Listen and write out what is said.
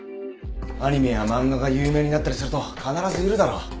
アニメや漫画が有名になったりすると必ずいるだろ。